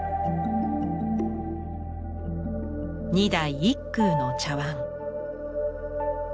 二代一空の茶碗。